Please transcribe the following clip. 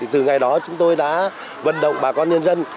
từ ngày đó chúng tôi đã vận động bà con nhân dân